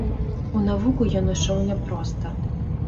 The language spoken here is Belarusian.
У навуку ён ішоў няпроста.